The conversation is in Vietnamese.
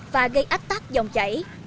và gây áp tác dòng trạng